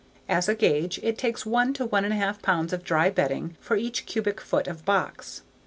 As a gauge, it takes 1 to 1 1/2 pounds of dry bedding for each cubic foot of box.